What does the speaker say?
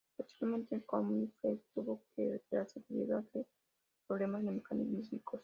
Posteriormente en Kansas Speedway tuvo que retirarse debido a problemas mecánicos.